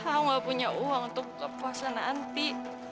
aku gak punya uang untuk ke puasa nanti